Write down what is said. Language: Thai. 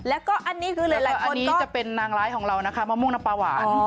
แล้วก็อันนี้คือหลายคนก็แล้วก็อันนี้จะเป็นนางร้ายของเรานะคะมะมุกน้ำปลาหวาน